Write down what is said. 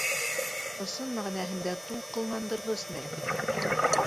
Ысын мәғәнәһендә тулҡынландырғыс мәл.